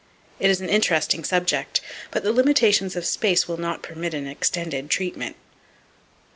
It is an interesting subject, but the limitations of space will not permit an extended treatment.